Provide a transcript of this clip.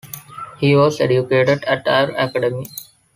He was educated at Ayr Academy.